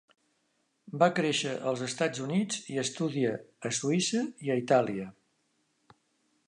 Va créixer als Estats Units i estudià a Suïssa i a Itàlia.